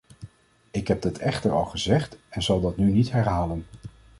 Ik heb dat echter al gezegd en zal dat nu niet herhalen.